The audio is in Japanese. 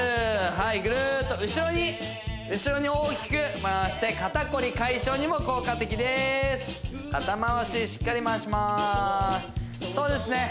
はいグルーッと後ろに後ろに大きく回して肩こり解消にも効果的です肩回ししっかり回しますそうですね